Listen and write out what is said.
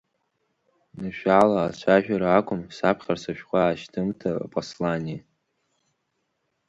Ажәала ацәажәара акәым, саԥхьарц ашәҟәы аашьҭымҭа послание.